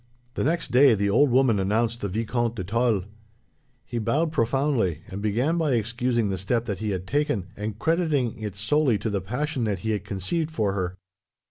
The next day, the old woman announced the Vicomte de Tulle. He bowed profoundly, and began by excusing the step that he had taken, and crediting it solely to the passion that he had conceived for her.